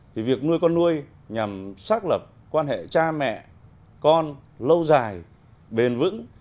thì việc nuôi con nuôi nhằm xác lập quan hệ cha mẹ con lâu dài bền vững